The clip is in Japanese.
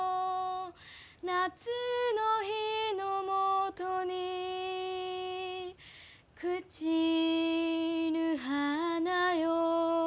「夏の日のもとに朽ちぬ花よ」